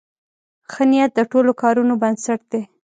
ښه نیت د ټولو کارونو بنسټ دی.